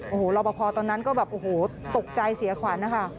โอ้โฮรบพอตอนนั้นก็ตกใจเสียขวัญนะคะ